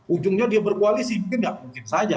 ujungnya dia berkoalisi mungkin nggak mungkin saja